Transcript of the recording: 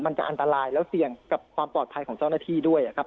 มันจะอันตรายแล้วเสี่ยงกับความปลอดภัยของเจ้าหน้าที่ด้วยครับ